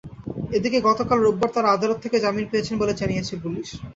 এদিকে গতকাল রোববার তাঁরা আদালত থেকে জামিন পেয়েছেন বলে জানিয়েছে পুলিশ।